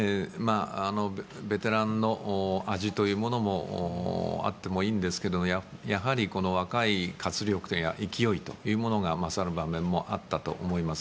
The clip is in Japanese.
ベテランの味というのもあってもいいんですけどもやはり若い活力、勢いというものが勝る場面もあったと思います。